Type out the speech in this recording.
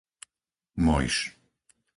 Mojš